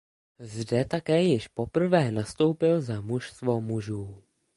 Zde také již poprvé nastoupil za mužstvo mužů.